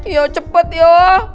iya cepet ya